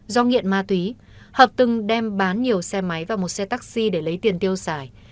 do nghiện ma túy hợp từng đem bán nhiều xe máy và một xe taxi để lấy tiền tiêu xài